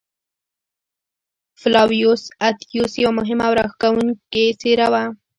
فلاویوس اتیوس یوه مهمه او راښکوونکې څېره وه.